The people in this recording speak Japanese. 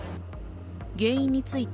原因について